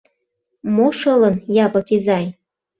Мо шылын, Япык изай?